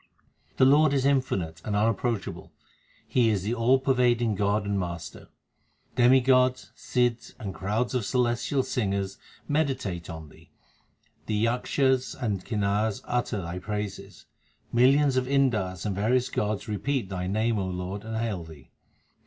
The Lord is infinite and unapproachable, He is the all pervading God and Master. Demigods, Sidhs, the crowd of celestial singers meditate on Thee ; the Yakshas and Kinars utter Thy praises. Millions of Indars and various gods repeat Thy name, O Lord, and hail Thee.